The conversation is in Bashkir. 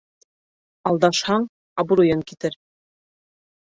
Алдашһаң, абруйың китер